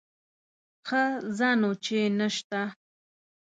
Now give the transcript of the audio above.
ښه ځه نو چې نه شته.